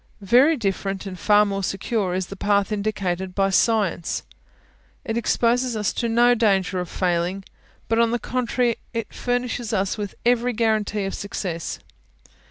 Very different, and far more secure, is the path indicated by SCIENCE; it exposes us to no danger of failing, but, on the contrary, it furnishes us with every guarantee of success.